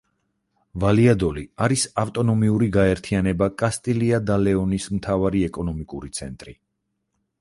ვალიადოლიდი არის ავტონომიური გაერთიანება კასტილია და ლეონის მთავარი ეკონომიკური ცენტრი.